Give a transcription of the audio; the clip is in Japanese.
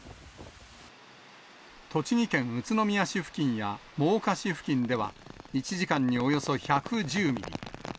栃木県宇都宮市付近や真岡市付近では１時間におよそ１１０ミリ。